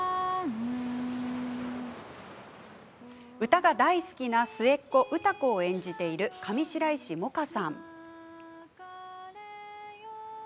歌が大好きな末っ子歌子を演じている上白石萌歌さん。